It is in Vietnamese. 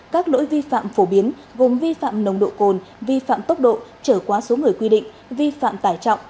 các lỗi vi phạm phổ biến gồm vi phạm nồng độ cồn vi phạm tốc độ trở quá số người quy định vi phạm tải trọng